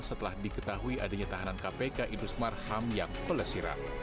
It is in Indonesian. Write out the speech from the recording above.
setelah diketahui adanya tahanan kpk idrus marham yang pelesiran